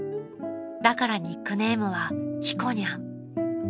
［だからニックネームはひこにゃん］